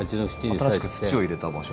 新しく土を入れた場所。